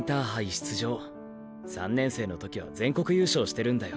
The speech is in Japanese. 出場３年生の時は全国優勝してるんだよ